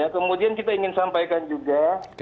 kemudian kita ingin sampaikan juga